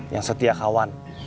yang setia kawan